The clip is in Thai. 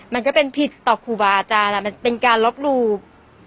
มันก็เป็นผิดต่อครูบาอาจารย์มันเป็นการลบหลูบ